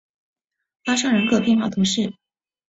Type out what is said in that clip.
阿尚人口变化图示